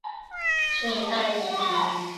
顺带一提